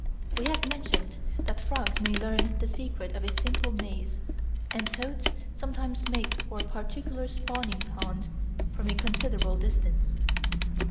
We have mentioned that frogs may learn the secret of a simple maze, and toads sometimes make for a particular spawning pond from a considerable distance.